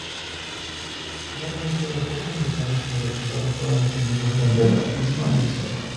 Finalmente los cuatro implicados en el atentado fueron detenidos durante la misma legislatura.